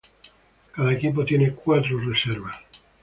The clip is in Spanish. Cada equipo tiene cuatro reservas.